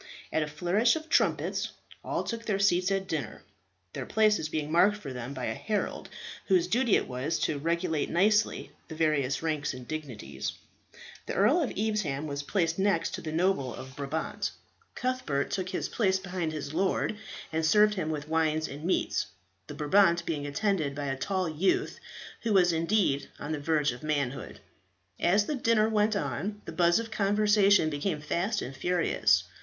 At a flourish of trumpets all took their seats at dinner, their places being marked for them by a herald, whose duty it was to regulate nicely the various ranks and dignities. The Earl of Evesham was placed next to a noble of Brabant. Cuthbert took his place behind his lord and served him with wines and meats, the Brabant being attended by a tall youth, who was indeed on the verge of manhood. As the dinner went on the buzz of conversation became fast and furious.